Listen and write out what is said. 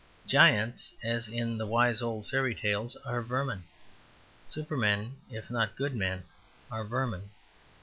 Giants, as in the wise old fairy tales, are vermin. Supermen, if not good men, are vermin.